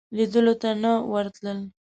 لیدلو ته نه ورتلل.